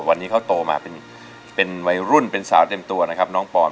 วันนี้เขาโตมาเป็นวัยรุ่นเป็นสาวเต็มตัวนะครับน้องปอน